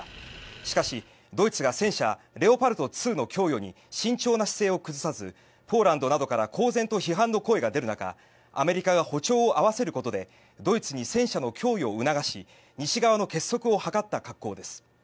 しかし、ドイツが戦車レオパルト２の供与に慎重な姿勢を崩さずポーランドなどから公然と批判の声が出る中アメリカが歩調を合わせることでドイツに戦車の供与を促し西側の結束を図った格好です。